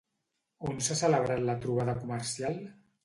On s'ha celebrat la trobada comercial?